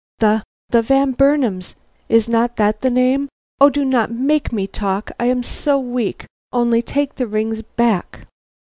"The the Van Burnams. Is not that the name? Oh, do not make me talk; I am so weak! Only take the rings back."